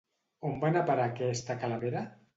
On va anar a parar aquesta calavera?